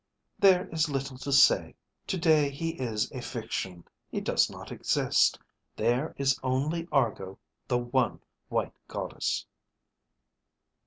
"There is little to say. Today he is a fiction, he does not exist. There is only Argo, the One White Goddess."